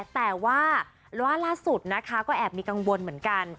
แต่ว่าล่าสุดนะคะก็แอบมีกังวลเหมือนกัน